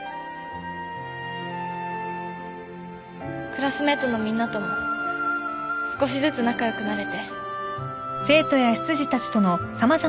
クラスメートのみんなとも少しずつ仲良くなれて。